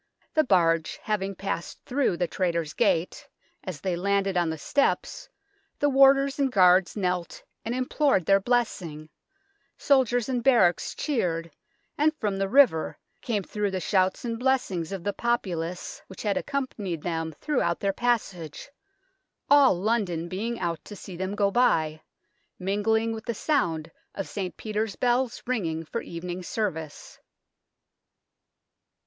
The barge having passed through the Traitors' Gate, as they landed on the steps the warders and guards knelt and implored their blessing, soldiers in barracks cheered, and from the river came through the shouts and blessings of the populace which had accompanied them 58 THE TOWER OF LONDON throughout their passage, all London being out to see them go by, mingling with the sound of St. Peter's bells ringing for evening service.